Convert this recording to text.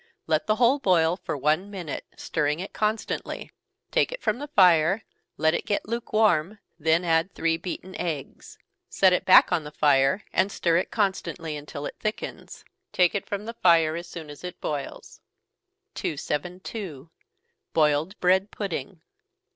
Let the whole boil for one minute, stirring it constantly take it from the fire, let it get lukewarm, then add three beaten eggs. Set it back on the fire, and stir it constantly until it thickens. Take it from the fire as soon as it boils. 272. _Boiled Bread Pudding.